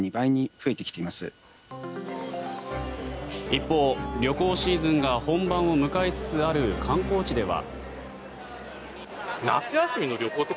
一方、旅行シーズンが本番を迎えつつある観光地では。